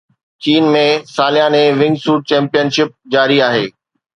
چين ۾ سالياني wing suit championship جاري آهي